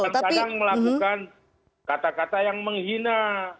kadang kadang melakukan kata kata yang menghina